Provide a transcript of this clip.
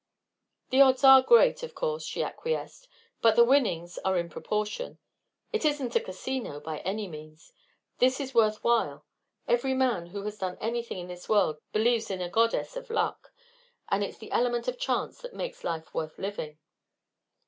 "The odds are great, of course," she acquiesced, "but the winnings are in proportion. It isn't casino, by any means. This is worth while. Every man who has done anything in this world believes in a goddess of luck, and it's the element of chance that makes life worth living."